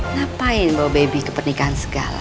ngapain bawa bau bebi ke pernikahan segala